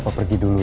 papa pergi dulu ya